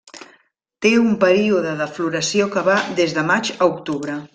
Té un període de floració que va des de maig a octubre.